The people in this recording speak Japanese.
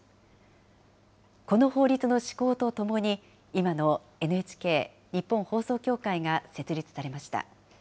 この法律の施行とともに、今のＮＨＫ・日本放送協会が設立されました。